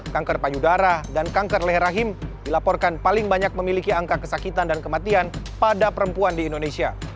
kanker payudara dan kanker leher rahim dilaporkan paling banyak memiliki angka kesakitan dan kematian pada perempuan di indonesia